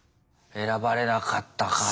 選ばれなかったかぁ。